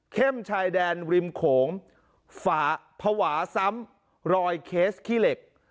เข้มชายแดนริมโขงภาพวาซ้ำรอยเคสขี้เหล็ก